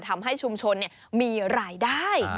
ทำให้ชุมชนมีรายได้